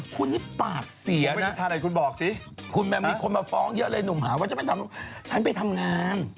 คุณนี่ปากเสียนะคุณบอกสิคุณแม่มีคนมาฟ้องเยอะเลยหนุ่มหาว่าฉันไปทำฉันไปทำงาน